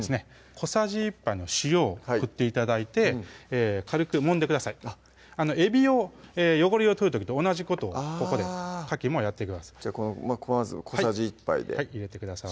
小さじ１杯の塩を振って頂いて軽くもんでくださいえびを汚れを取る時と同じことをここでかきもやってくださいまず小さじ１杯ではい入れてください